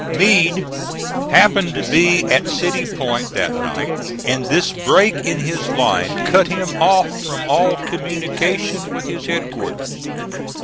Meade happened to be at City Point that night, and this break in his line cut him off from all communication with his headquarters.